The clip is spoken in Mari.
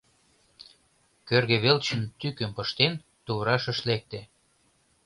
Кӧргӧ велчын тӱкым пыштен, туврашыш лекте.